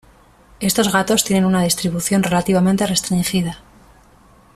Estos gatos tienen una distribución relativamente restringida.